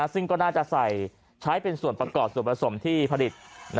ซึ่งก็น่าจะใส่ใช้เป็นส่วนประกอบส่วนผสมที่ผลิต